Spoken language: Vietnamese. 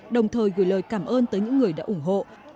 đồng thời gửi lời cảm ơn tới những người đã ủng hộ